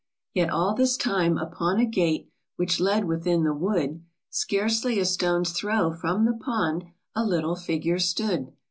Vet all this time upon a gate Which led within the wood, Scarcely a stone's throw from the pond, A little figure stood.